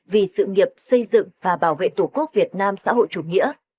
vì sự nghiệp xây dựng và bảo vệ tổ quốc việt nam xã hội chủ nghĩa